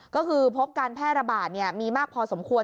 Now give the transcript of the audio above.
ก็คือพบการแพร่ระบาดมีมากพอสมควร